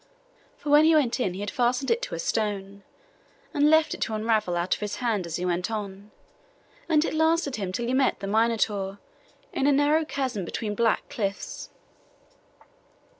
For when he went in he had fastened it to a stone, and left it to unroll out of his hand as he went on; and it lasted him till he met the Minotaur, in a narrow chasm between black cliffs.